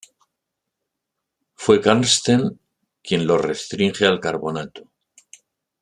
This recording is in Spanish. Fue Karsten quien lo restringe al carbonato.